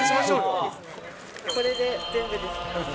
これで全部です。